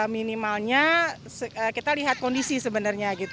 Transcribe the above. minimalnya kita lihat kondisi sebenarnya